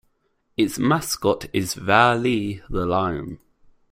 Its mascot is Rah-Lee the Lion.